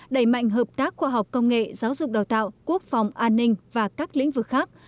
đẩy mạnh hợp tác khoa học công nghệ giáo dục đào tạo quốc phòng an ninh và các lĩnh vực khác